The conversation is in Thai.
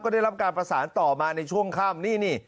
ได้รับการประสานต่อมาในช่วงค่ำนี่นี่